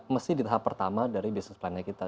mesti di tahap pertama dari bisnis plan nya kita